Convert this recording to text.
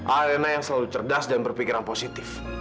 arena yang selalu cerdas dan berpikiran positif